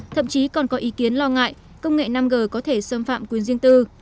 thậm chí còn có ý kiến lo ngại công nghệ năm g có thể xâm phạm quyền riêng tư